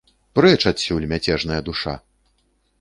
Прэч адсюль, мяцежная душа!